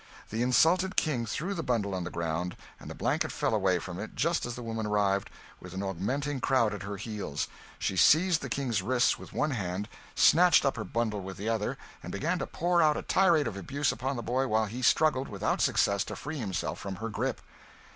The insulted King threw the bundle on the ground; and the blanket fell away from it just as the woman arrived, with an augmenting crowd at her heels; she seized the King's wrist with one hand, snatched up her bundle with the other, and began to pour out a tirade of abuse upon the boy while he struggled, without success, to free himself from her grip.